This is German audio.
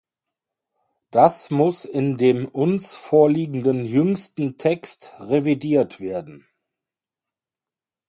Das muss in dem uns vorliegenden jüngsten Text revidiert werden.